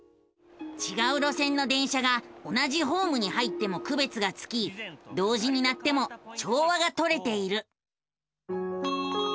ちがう路線の電車が同じホームに入ってもくべつがつき同時に鳴っても調和がとれている。